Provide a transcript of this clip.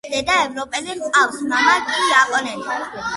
დედა ევროპელი ჰყავდა, მამა კი იაპონელი.